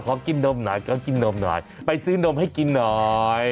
ขอกินนมหน่อยก็กินนมหน่อยไปซื้อนมให้กินหน่อย